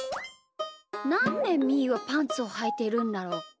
なんでみーはパンツをはいてるんだろう。